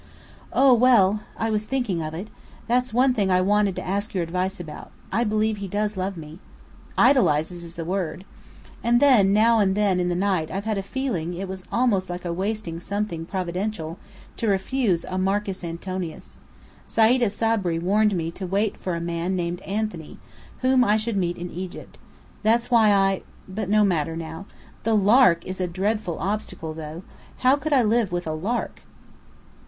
"Oh! well I was thinking of it. That's one thing I wanted to ask your advice about. I believe he does love me." "Idolizes is the word." "And now and then in the night I've had a feeling, it was almost like wasting something Providential, to refuse a Marcus Antonius. Sayda Sabri warned me to wait for a man named Antony, whom I should meet in Egypt. That's why I but no matter now. The 'Lark' is a dreadful obstacle, though. How could I live with a lark?"